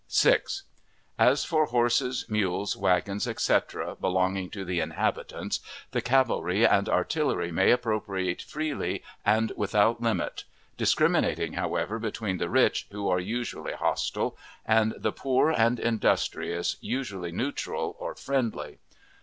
6. As for horses, mules, wagons, etc., belonging to the inhabitants, the cavalry and artillery may appropriate freely and without limit; discriminating, however, between the rich, who are usually hostile, and the poor and industrious, usually neutral or friendly.